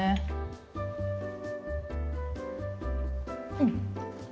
うん！